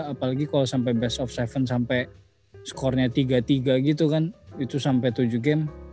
apalagi kalau sampai best of tujuh sampai skornya tiga tiga gitu kan itu sampai tujuh game